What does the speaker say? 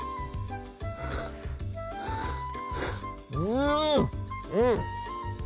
うんうん！